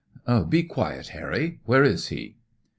"Be quiet, Harry. Where is he?"